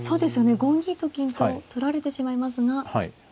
５二と金と取られてしまいますが。